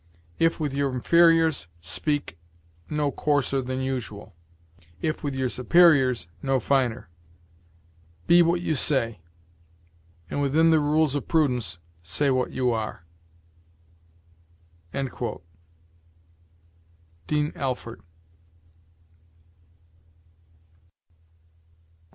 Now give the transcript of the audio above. If with your inferiors, speak no coarser than usual; if with your superiors, no finer. Be what you say; and, within the rules of prudence, say what you are." Dean Alford.